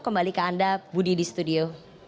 kembali ke anda budi di studio